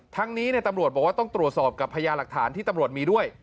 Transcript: ทั้งนี้ตำรวจบอกว่าต้องตรวจสอบกับพญาหลักฐานที่ตำรวจมีด้วย